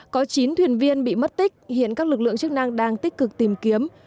có chín thuyền viên bị mất tích hiện các lực lượng chức năng đang tích cực tìm kiếm